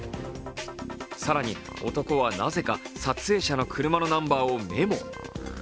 更に、男はなぜか撮影者の車のナンバーをメモ。